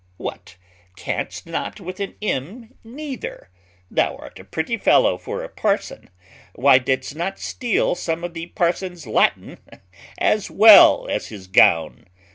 '_ "What, canst not with an M neither? Thou art a pretty fellow for a parson! Why didst not steal some of the parson's Latin as well as his gown?"